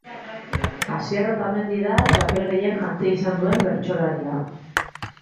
Asier Otamendi da txapel gehien jantzi izan duen bertsolaria.